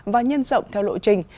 và nhân rộng theo lộ trình